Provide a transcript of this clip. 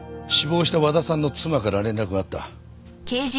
死亡した和田さんの妻から連絡があった。